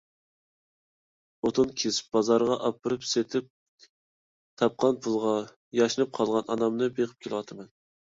ئوتۇن كېسىپ بازارغا ئاپىرىپ سېتىپ، تاپقان پۇلغا ياشىنىپ قالغان ئانامنى بېقىپ كېلىۋاتىمەن.